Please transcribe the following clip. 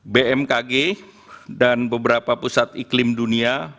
bmkg dan beberapa pusat iklim dunia